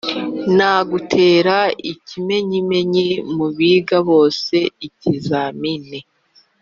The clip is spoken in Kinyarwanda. Nagutera ikimenyimenyi mu biga bose-Ikizamini.